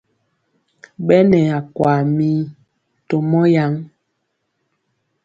Ɓɛ nɛ akwaa mii to mɔ yaŋ.